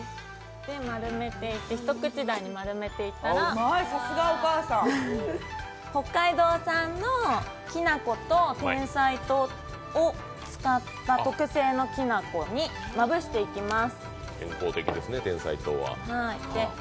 一口大に丸めてから、北海道産のきな粉とてんさい糖を使った特製のきな粉にまぶしていきます。